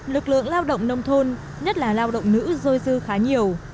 lực lượng lao động nông thôn nhất là lao động nữ dôi dư khá nhiều